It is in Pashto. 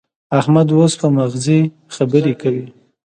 احمد اوس په مغزي خبرې کوي.